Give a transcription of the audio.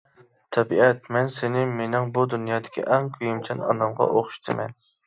تەبىئەت مەن سېنى مېنىڭ بۇ دۇنيادىكى ئەڭ كۆيۈمچان ئانامغا ئوخشىتىمەن.